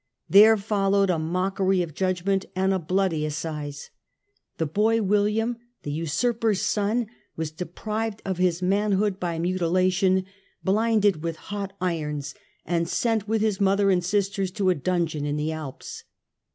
There followed a mockery of judgment and a bloody assize. The boy William, the usurper's son, was deprived of his manhood by mutilation, blinded with hot irons, and sent with his mother and sisters to a dungeon in the Alps.